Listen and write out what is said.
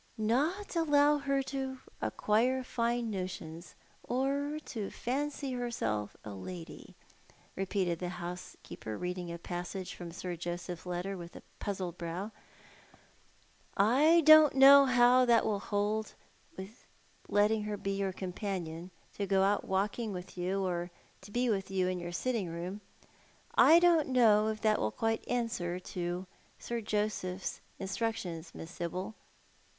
"Not allow her to acquire fine notions, or to fancy herself a lady," repeated the hou.sekccper, reading a pas.sage from Sir Joseph's letter, with a puzzled brow. " I don't know how that From the Far off Land. 43 will hold with letting her be your companion — to go out walking with you — or to be with you in y<"ur own sitting room. I don't know if that will quite answer to Sir Joseph's instructions, Miss Sibyl."